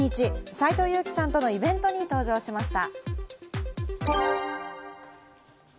斎藤佑樹さんとのイベントに登場しました。